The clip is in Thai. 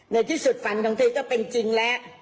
ในที่สุดฝันของเธอก็เป็นจริงแล้ว